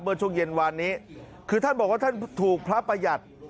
เมื่อช่วงเย็นวานนี้คือท่านบอกว่าท่านถูกพระประหยัด